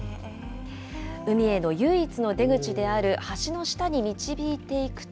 海への唯一の出口である橋の下に導いていくと。